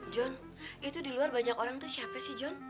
john itu di luar banyak orang tuh siapa sih john